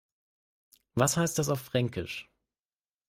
Was heißt das auf Fränkisch?